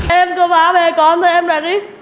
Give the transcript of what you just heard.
em có bá về con thôi em ra đi